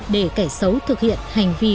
để kẻ xấu thực hiện hành vi